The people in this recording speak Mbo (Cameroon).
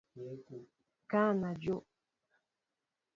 Ŋkana dyǒw.